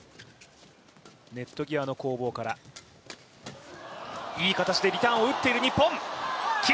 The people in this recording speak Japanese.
ネット際の攻防から、いい形でリターンを打っている日本。